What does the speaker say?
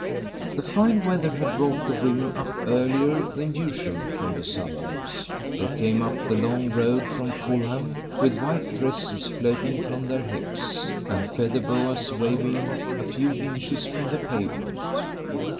The fine weather had brought the women up earlier than usual from the suburbs. They came up the long road from Fulham, with white dresses floating from their hips, and feather boas waving a few inches from the pavement.